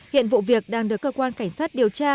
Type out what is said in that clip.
hiện vụ việc đang được cơ quan cảnh sát điều tra